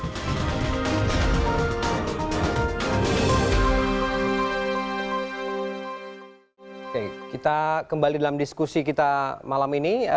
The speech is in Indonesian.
oke kita kembali dalam diskusi kita malam ini